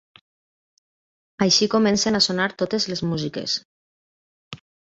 Així comencen a sonar totes les músiques.